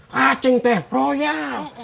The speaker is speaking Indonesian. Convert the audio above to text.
kacing teh royal